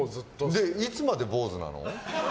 いつまで坊主なの？